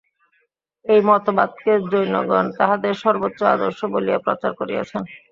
এই মতবাদকে জৈনগণ তাঁহাদের সর্বোচ্চ আদর্শ বলিয়া প্রচার করিয়াছেন।